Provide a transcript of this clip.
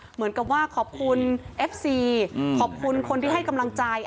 เหมือนกับว่าขอบคุณเอฟซีขอบคุณคนที่ให้กำลังใจ